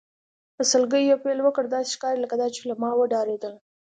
په سلګیو یې پیل وکړ، داسې ښکاري لکه دا چې له ما وډارېدل.